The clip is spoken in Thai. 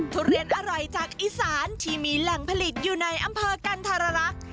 ทุเรียนอร่อยจากอีสานที่มีแหล่งผลิตอยู่ในอำเภอกันธรรักษ์